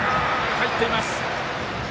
入っています。